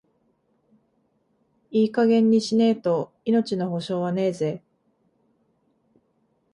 いい加減にしねえと、命の保証はねえぜ。